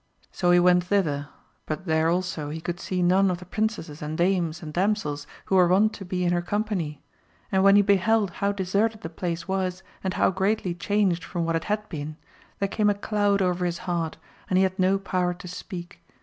So he went thither, but there also he could see none of the princesses and dames and dam sels who were wont to be in her company, and when he beheld how deserted the place was and how greatly changed from what it had been, there came a cloud over his heart, and he had no power to speak.